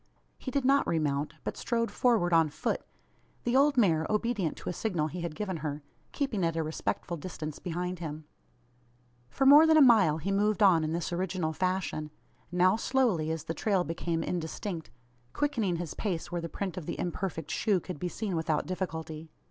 He did not re mount, but strode forward on foot; the old mare, obedient to a signal he had given her, keeping at a respectful distance behind him. For more than a mile he moved on in this original fashion now slowly, as the trail became indistinct quickening his pace where the print of the imperfect shoe could be seen without difficulty.